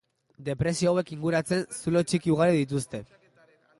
Depresio hauek inguratzen zulo txiki ugari dituzte.